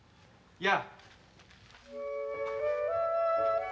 いや。